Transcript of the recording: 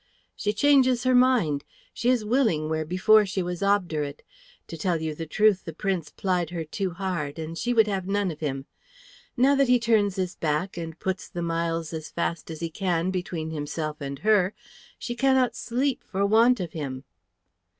"She changes her mind; she is willing where before she was obdurate. To tell you the truth, the Prince plied her too hard, and she would have none of him. Now that he turns his back and puts the miles as fast as he can between himself and her, she cannot sleep for want of him."